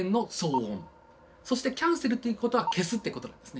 そして「キャンセル」っていうことは消すってことなんですね。